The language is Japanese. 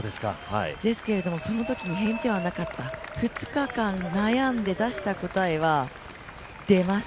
ですけれどもそのときに返事はなかった、２日間悩んで出した答えは「出ます」。